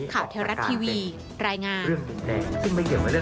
ข่าวแท้รัฐทีวีรายงาน